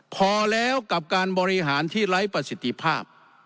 พอแล้วกับการบริหารที่ไร้ประสิทธิภาพ